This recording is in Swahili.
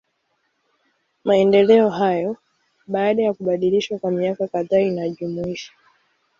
Maendeleo hayo, baada ya kubadilishwa kwa miaka kadhaa inajumuisha.